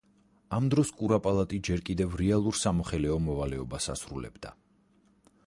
ამ დროს კურაპალატი ჯერ კიდევ რეალურ სამოხელეო მოვალეობას ასრულებდა.